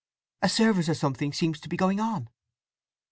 A service or something seems to be going on."